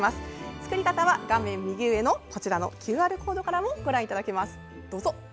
作り方は画面右上のＱＲコードからもご覧いただけます。